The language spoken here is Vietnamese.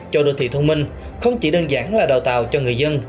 cho đô thị thông minh không chỉ đơn giản là đào tạo cho người dân